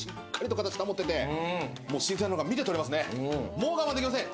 もう我慢できません。